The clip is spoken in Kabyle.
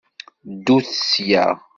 Ddut sya!